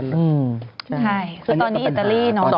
ใช่คือตอนนี้อิตาลีเนาะ